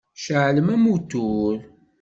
Ceεleɣ amutur.